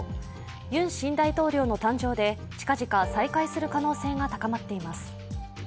ユン新大統領の誕生で近々再開する可能性が高まっています。